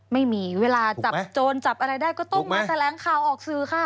ไม่มีเวลาจับโจรจับอะไรได้ก็ต้องมาแถลงข่าวออกสื่อค่ะ